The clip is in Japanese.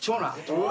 うわ！